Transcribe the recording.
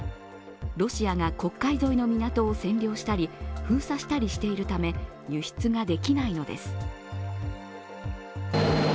ロシアが黒海沿いの港を占領したり、封鎖したりしているため、輸出ができないのです。